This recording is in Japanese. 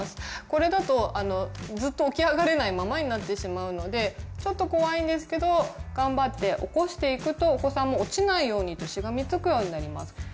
これだとずっと起き上がれないままになってしまうのでちょっと怖いんですけど頑張って起こしていくとお子さんも落ちないようにしがみつくようになります。